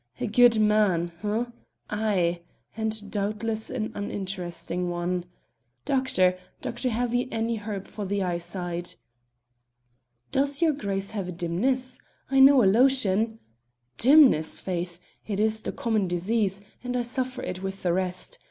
A good man! H'm! Ay! and doubtless an uninteresting one. Doctor! doctor! have you any herb for the eyesight?" "Does your Grace have a dimness? I know a lotion " "Dimness! faith! it is the common disease, and I suffer it with the rest.